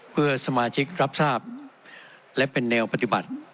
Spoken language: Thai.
เพื่อสมาชิกรับทราบและเป็นแนวปฏิบัติ